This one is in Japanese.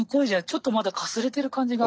ちょっとまだかすれてる感じがあって。